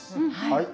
はい。